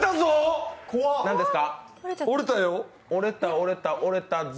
折れた、折れたぞ！